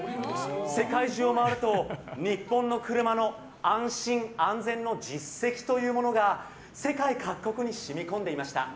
世界中を回ると、日本の車の安心・安全の実績というものが世界各国に染み込んでいました。